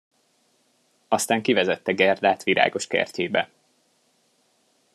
Aztán kivezette Gerdát virágoskertjébe.